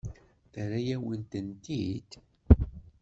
Terra-yawen-tent-id?